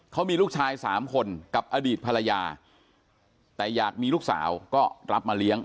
เขามีลูกชายสามคนกับอดีตภรรยาแต่อยากมีลูกสาวก็รับมาเลี้ยง